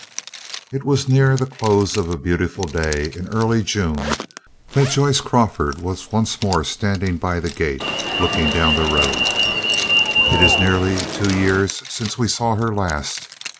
It was near the close of a beautiful day in early June that Joyce Crawford was once more standing by the gate, looking down the road. It is nearly two years since we saw her last.